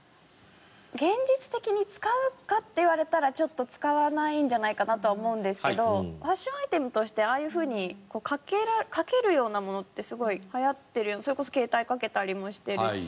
現実的に使うかって言われたらちょっと使わないんじゃないかなとは思うんですけどファッションアイテムとしてああいうふうにかけるようなものってすごい流行ってるそれこそ携帯かけたりもしてるし。